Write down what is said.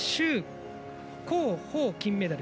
高芳が金メダル。